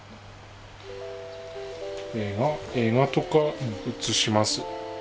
映画とか映します？